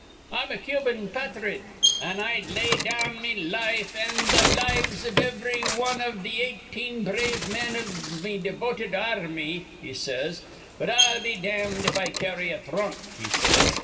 'I'm a Cubian pathrite, an' I'd lay down me life an' the lives iv ivry wan iv th' eighteen brave men iv me devoted ar rmy,' he says; 'but I'll be dam'd if I carry a thrunk,' he says.